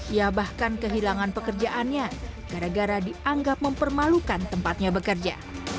ia bahkan kehilangan pekerjaannya gara gara dianggap mempermalukan tempatnya bekerja